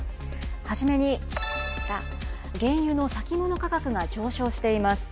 初めにこちら、原油の先物価格が上昇しています。